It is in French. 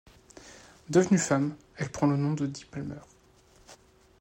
Devenue femme, elle prend le nom de Dee Palmer.